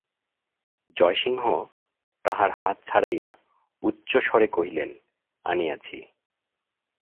জয়সিংহ তাঁহার হাত ছাড়াইয়া উচ্চস্বরে কহিলেন, আনিয়াছি।